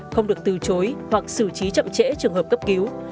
không được từ chối hoặc xử trí chậm trễ trường hợp cấp cứu